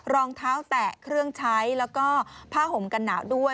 รองเท้าแตะเครื่องใช้แล้วก็ผ้าห่มกันหนาวด้วย